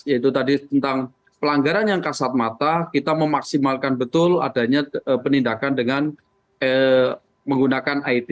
yaitu tadi tentang pelanggaran yang kasat mata kita memaksimalkan betul adanya penindakan dengan menggunakan it